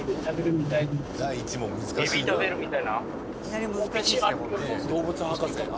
エビ食べるみたいな？